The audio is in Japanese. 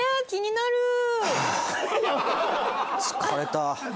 気になる！